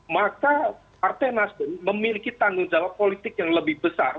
maka partai nasdem memiliki tanggung jawab politik yang lebih besar